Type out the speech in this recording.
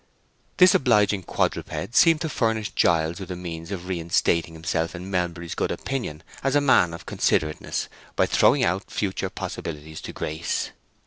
This obliging quadruped seemed to furnish Giles with a means of reinstating himself in Melbury's good opinion as a man of considerateness by throwing out future possibilities to Grace.